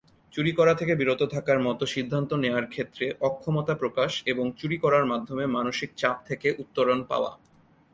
চুরি করা থেকে বিরত থাকার মতো সিদ্ধান্ত নেয়ার ক্ষেত্রে অক্ষমতা প্রকাশ এবং চুরি করার মাধ্যমে মানসিক চাপ থেকে উত্তরণ পাওয়া।